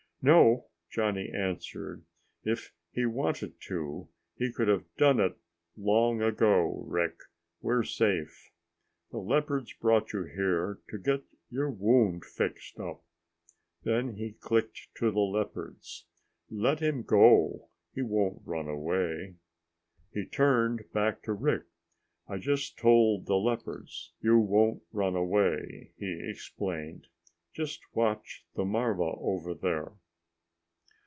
"No," Johnny answered. "If he'd wanted to, he could have done it long ago. Rick, we're safe! The leopards brought you here to get your wound fixed up." Then he clicked to the leopards, "Let him go. He won't run away." He turned back to Rick. "I just told the leopards you won't run away," he explained. "Just watch the marva over there."